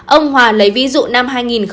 ông hòa lấy ví dụ năm hai nghìn tám